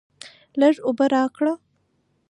لږ اوبه راکړه!